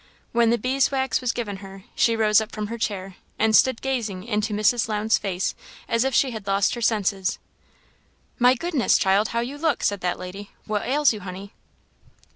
When the bees' wax was given her, she rose up from her chair, and stood gazing into Mrs. Lowndes' face as if she had lost her senses. "My goodness, child, how you look!" said that lady. "What ails you, honey?"